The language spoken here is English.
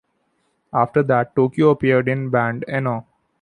After that Toko appeared in the band Enon.